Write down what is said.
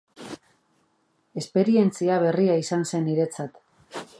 Esperientzia berria izan zen niretzat.